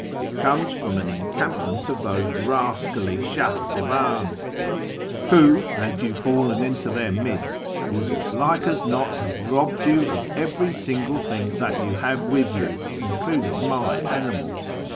It comes from an encampment of those rascally Shah sevans, who, had you fallen into their midst, would as like as not have robbed you of every single thing you have with you, including my animals.